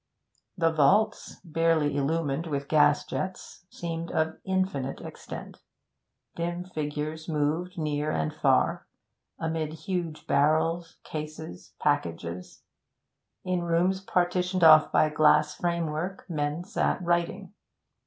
The vaults, barely illumined with gas jets, seemed of infinite extent; dim figures moved near and far, amid huge barrels, cases, packages; in rooms partitioned off by glass framework men sat writing.